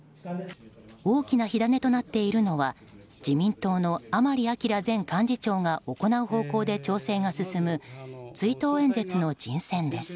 大きな火種となっているのは自民党の甘利明前幹事長が行う方向で調整が進む追悼演説の人選です。